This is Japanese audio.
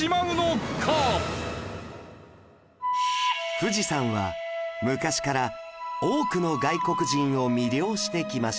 富士山は昔から多くの外国人を魅了してきました